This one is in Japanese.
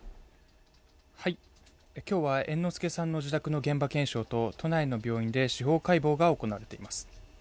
今日は猿之助さんの自宅の現場検証と都内の病院で司法解剖が行われています。